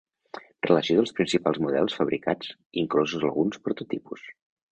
Relació dels principals models fabricats, inclosos alguns prototipus.